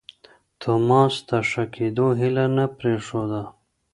توماس د ښه کېدو هیله نه پرېښوده.